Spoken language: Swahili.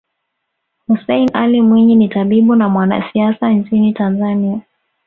Hussein Ally Mwinyi ni tabibu na mwanasiasa nchini Tanzania